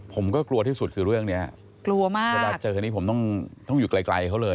ผมก็กลัวที่สุดคือเรื่องเนี้ยกลัวมากเวลาเจออันนี้ผมต้องต้องอยู่ไกลเขาเลย